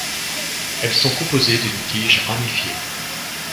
Elles sont composées d'une tige ramifiée.